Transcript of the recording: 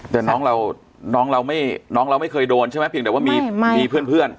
แต่น้องเราไม่เคยโดนใช่ไหมเพียงแต่ว่ามีเพื่อน